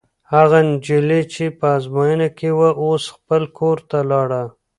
هغه نجلۍ چې په ازموینه کې وه، اوس خپل کور ته لاړه.